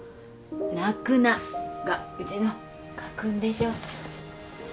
「泣くな」がうちの家訓でしょ。